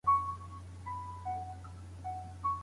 آیا د مېوو کیفیت د لمر په تودوخي پوري اړه لري؟.